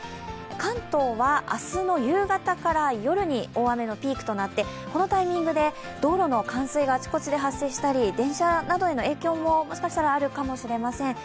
関東は明日の夕方から夜に大雨のピークとなって、このタイミングで道路の冠水があちこちで発生したり電車などへの影響ももしかしたらあるかもしれません。